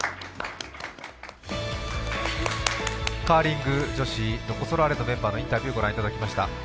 カーリング女子ロコ・ソラーレのメンバーのインタビューをご覧いただきました。